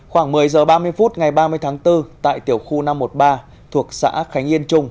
khoảng một mươi h ba mươi phút ngày ba mươi tháng bốn tại tiểu khu năm trăm một mươi ba thuộc xã khánh yên trung